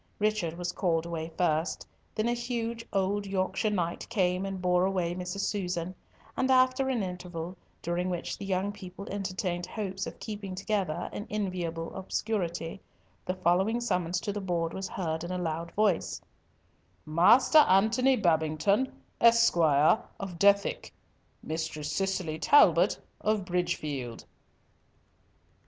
Richard was called away first, then a huge old Yorkshire knight came and bore away Mrs. Susan, and after an interval, during which the young people entertained hopes of keeping together in enviable obscurity, the following summons to the board was heard in a loud voice— "Master Antony Babington, Esquire, of Dethick; Mistress Cicely Talbot, of Bridgefield."